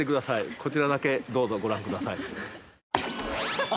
こちらだけどうぞご覧ください。